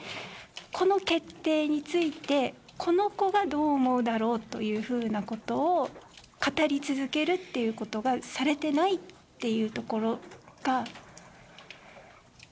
この決定についてこの子がどう思うだろうというふうなことを語り続けるっていうことがされていないというところが。